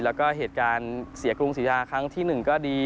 แล้วก็เหตุการณ์เสียกรุงศรียาครั้งที่๑ก็ดี